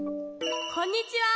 こんにちは。